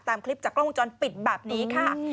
ตามคลิปจากกล้องวงจรปิดแบบนี้ค่ะ